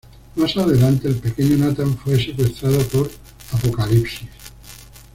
Más adelante, el pequeño Nathan fue secuestrado por Apocalipsis.